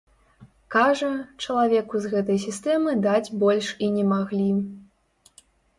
Кажа, чалавеку з гэтай сістэмы даць больш і не маглі.